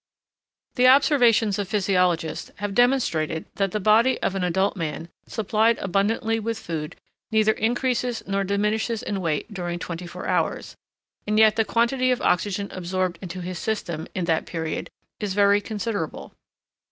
The observations of physiologists have demonstrated that the body of an adult man supplied abundantly with food, neither increases nor diminishes in weight during twenty four hours, and yet the quantity of oxygen absorbed into his system, in that period, is very considerable.